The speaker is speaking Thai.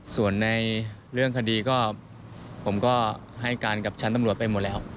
ส่วนในเรื่องคดีก็ผมก็ให้การกับชั้นตำรวจไปหมดแล้ว